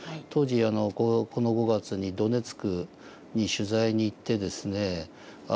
当時この５月にドネツクに取材に行ってですね